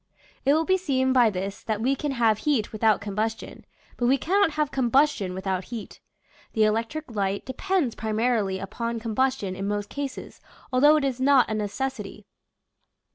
It will be seen by this that we can have heat without combustion : but we cannot have combustion without heat. The electric light depends primarily upon combustion in most cases, although it is not a necessity.